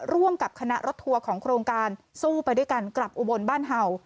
ร่วมกับคณะรถทัวร์ของโครงการสู้ไปด้วยกันกลับอุบลบ้านเห่า